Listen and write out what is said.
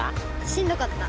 しんどかった？